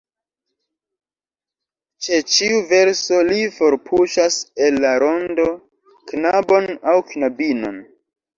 Ĉe ĉiu verso li forpuŝas el la rondo knabon aŭ knabinon.